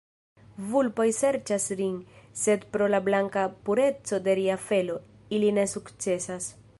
Vulpoj serĉas rin, sed pro la blanka pureco de ria felo, ili ne sukcesas.